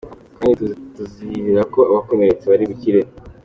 kandi turizera ko abakomeretse bari bukire.